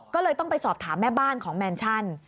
ก็เลยต้องไปสอบถามแม่บ้านของแมนชั่น